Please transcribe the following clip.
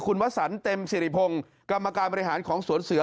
คุณวสันเต็มสิริพงศ์กรรมการบริหารของสวนเสือ